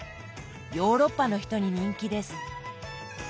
ヨーロッパの人に人気です。